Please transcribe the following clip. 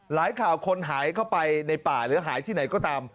หลายข่าวคนหายเข้าไปในป่าหรือหายที่ไหนก็ตาม